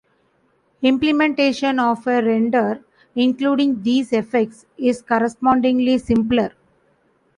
Implementation of a renderer including these effects is correspondingly simpler.